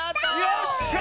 よっしゃ！